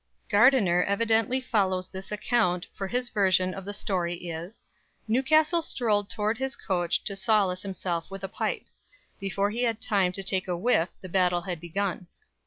Gardiner evidently follows this account, for his version of the story is: "Newcastle strolled towards his coach to solace himself with a pipe. Before he had time to take a whiff, the battle had begun."